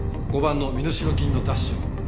５番の身代金の奪取。